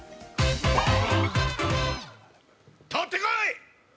取ってこい！